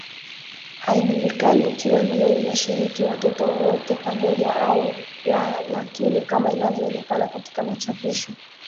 Haijulikani ikiwa ndio inashiriki watoto wowote pamoja au la Lakini kama inavyoonekana katika machapisho